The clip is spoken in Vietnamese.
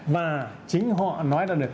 và chính họ nói ra được